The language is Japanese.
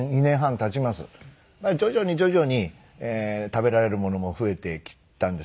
徐々に徐々に食べられるものも増えてきたんですけどね。